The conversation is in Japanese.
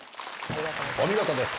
お見事です。